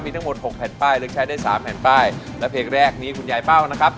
เป็น๓แผ่นป้ายและเพลงแรกนี้คุณยายเป้านะครับ